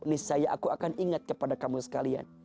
niscaya aku akan ingat kepada kamu sekalian